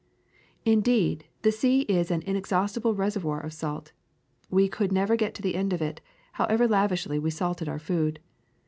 Indeed, the sea is an inexhaustible reservoir of salt : we could never get to the end of it, however lavishly we salted our food.